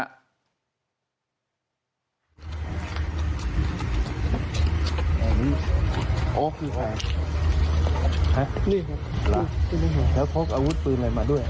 แบบนี้โอ๊คนี่ไงฮะนี่ครับแล้วพบอาวุธปืนอะไรมาด้วย